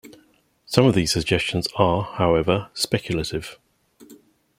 Some of these suggestions are, however, speculative.